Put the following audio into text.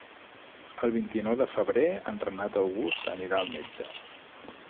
El vint-i-nou de febrer en Renat August anirà al metge.